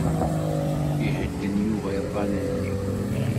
Ihedden Yuba iḍan-nni.